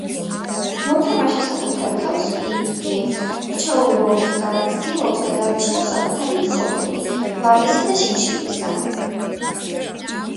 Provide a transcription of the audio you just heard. მოთამაშე საკუთარ თავზე ირგებს რჩეულის როლს და ცდილობს გადაარჩინოს საკუთარი სოფელი გვალვისა და შიმშილისგან.